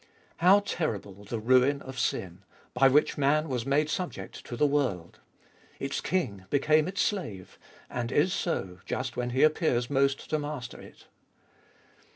How terrible the ruin of sin, by which man was made subject to the world. Its king became its slave, and is so just when he appears most to master it.